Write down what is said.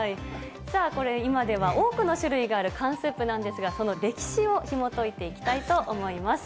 さあ、これ、今では多くの種類がある缶スープなんですが、その歴史をひもといていきたいと思います。